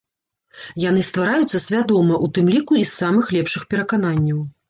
Яны ствараюцца свядома, у тым ліку, і з самых лепшых перакананняў.